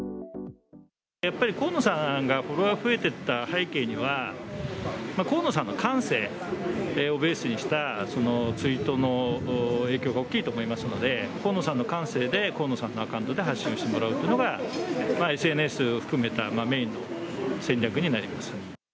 やっぱり河野さんがフォロワー増えていった背景には、河野さんの感性をベースにしたツイートの影響が大きいと思いますので、河野さんの感性で、河野さんのアカウントで発信をしてもらうっていうのが、ＳＮＳを含めたメインの戦略になります。